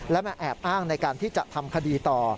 และมาแอบอ้างในการที่จะทำคดีต่อ